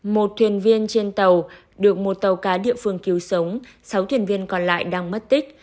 một thuyền viên trên tàu được một tàu cá địa phương cứu sống sáu thuyền viên còn lại đang mất tích